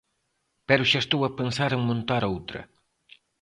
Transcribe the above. Pero xa estou a pensar en montar outra.